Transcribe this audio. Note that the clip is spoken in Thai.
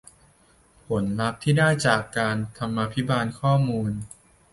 ผลลัพธ์ที่ได้จากธรรมาภิบาลข้อมูล